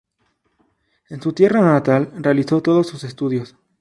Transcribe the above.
En su tierra natal realizó todos sus estudios.